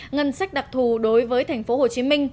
ngân sách đặc thù đối với tp hcm